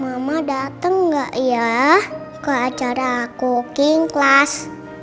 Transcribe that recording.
mama dateng gak ya ke acara cooking class